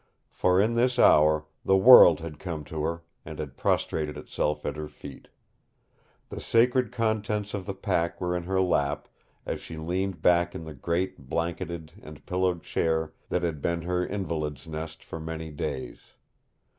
For in this hour the world had come to her, and had prostrated itself at her feet. The sacred contents of the pack were in her lap as she leaned back in the great blanketed and pillowed chair that had been her invalid's nest for many days.